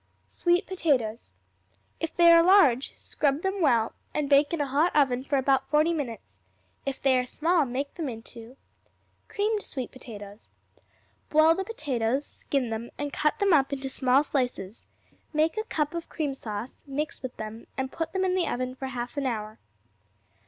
Sweet Potatoes If they are large, scrub them well and bake in a hot oven for about forty minutes. If they are small, make them into Creamed Sweet Potatoes Boil the potatoes, skin them, and cut them up in small slices. Make a cup of cream sauce, mix with them, and put them in the oven for half an hour.